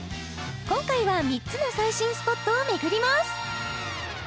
今回は３つの最新ＳＰＯＴを巡ります